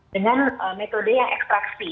dengan metode yang ekstraksi